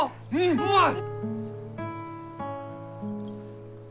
うまい！